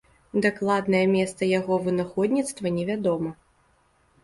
Дакладнае месца яго вынаходніцтва невядома.